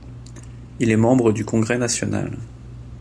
Il est membre du Congrès national.